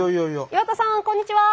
岩田さんこんにちは。